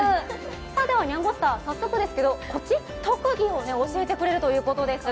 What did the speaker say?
では、にゃんごすたー、早速ですけど特技を教えてくれるということです。